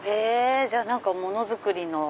じゃあものづくりの。